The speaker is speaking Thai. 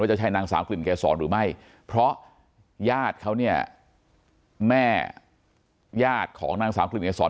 จะใช่นางสาวกลิ่นเกษรหรือไม่เพราะญาติเขาเนี่ยแม่ญาติของนางสาวกลิ่นเกษร